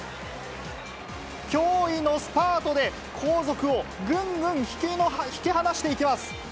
驚異のスパートで、後続をぐんぐん引き離していきます。